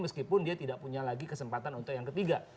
meskipun dia tidak punya lagi kesempatan untuk yang ketiga